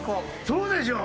そうでしょ！